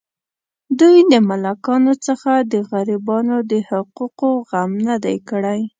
دوی د ملاکانو څخه د غریبانو د حقوقو غم نه دی کړی.